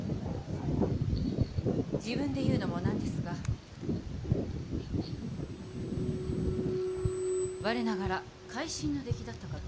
自分で言うのも何ですが我ながら会心の出来だったかと